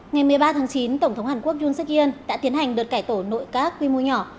ngày một mươi ba tháng chín tổng thống hàn quốc yoon seok in đã tiến hành đợt cải tổ nội các quy mô nhỏ